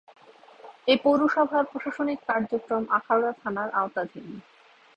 এ পৌরসভার প্রশাসনিক কার্যক্রম আখাউড়া থানার আওতাধীন।